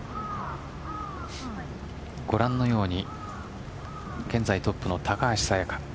ご覧のように現在トップの高橋彩華。